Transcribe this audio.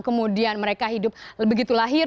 kemudian mereka hidup begitu lahir